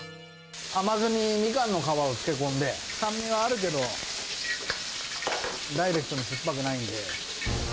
甘酢にミカンの皮を漬け込んで、酸味はあるけど、ダイレクトに酸っぱくないんで。